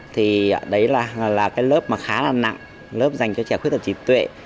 thì đấy là cái lớp mà khá là nặng lớp dành cho trẻ khuyết tật trí tuệ